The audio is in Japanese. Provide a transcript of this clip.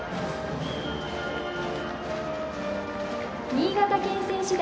新潟県選手団。